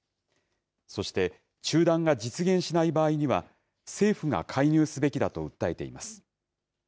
そして中断が実現しない場合には政府が介入すべきだと訴えています。